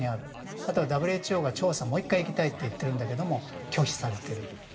あとＷＨＯが調査にもう１回行きたいと言っているんだけど拒否されている。